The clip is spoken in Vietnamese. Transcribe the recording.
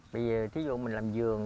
bây giờ thí dụ mình làm vườn